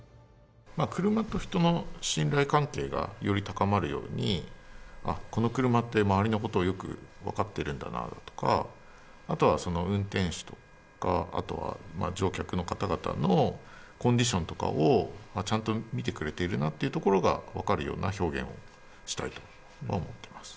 車と人の信頼関係がより高まるように、あっ、この車って周りのことをよく分かってるんだなとか、あとは運転手とか、あとは乗客の方々のコンディションとかをちゃんと見てくれているなっていうところが分かるような表現をしたいと僕は思ってます。